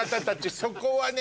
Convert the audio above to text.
そこはね